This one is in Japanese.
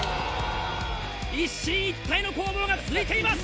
一進一退の攻防が続いています！